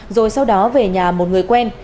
rồi sau đó về nhà một người quen